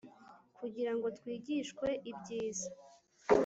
Kugira ngo twigishwe ibyiza